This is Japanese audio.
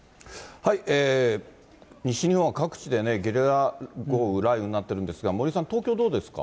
西日本は各地でね、ゲリラ豪雨、雷雨になってるんですが、森さん、東京どうですか。